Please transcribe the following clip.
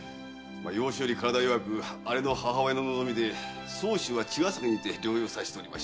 幼少より身体が弱くあれの母親の望みで相州は茅ヶ崎にて療養させておりました。